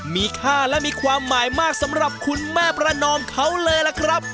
มีค่าและมีความหมายมากสำหรับคุณแม่ประนอมเขาเลยล่ะครับ